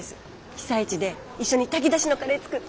被災地で一緒に炊き出しのカレー作って。